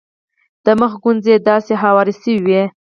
د مخ ګونځې یې داسې هوارې شوې وې.